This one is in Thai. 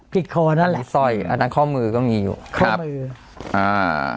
คอนั่นแหละสร้อยอันนั้นข้อมือก็มีอยู่ข้อมืออ่า